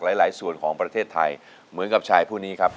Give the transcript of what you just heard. หลายส่วนของประเทศไทยเหมือนกับชายผู้นี้ครับ